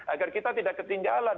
agar kita tidak ketinggalan